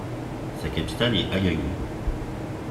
Sa capitale est Agago.